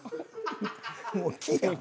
もう木やん。